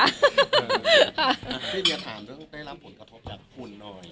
พี่เดียถามเรื่องการได้ร่ำผลกระทบอย่างคุณหน่อย